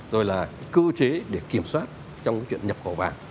rồi là cơ chế để kiểm soát trong cái chuyện nhập khẩu vàng